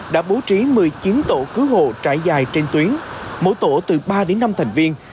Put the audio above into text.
đã bố trí một mươi chín tổ cứu hộ trải dài trên tuyến mỗi tổ từ ba đến năm thành viên